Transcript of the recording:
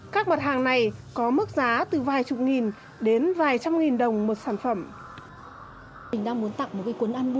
các mật hàng này có mức giá từ vài chục nghìn đến vài trăm nghìn